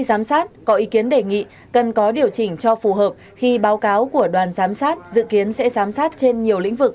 giám sát có ý kiến đề nghị cần có điều chỉnh cho phù hợp khi báo cáo của đoàn giám sát dự kiến sẽ giám sát trên nhiều lĩnh vực